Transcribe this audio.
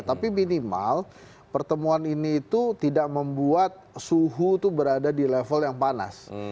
tapi minimal pertemuan ini itu tidak membuat suhu itu berada di level yang panas